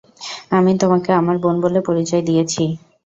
আমি তোমাকে আমার বোন বলে পরিচয় দিয়েছি।